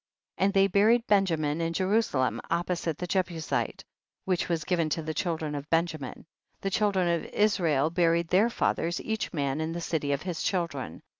46. And they buried Benjamin in Jerusalem opposite the Jebusite, which was given to the children of Benjamin ; the children of Israel bu ried their fathers each man in the city of his children.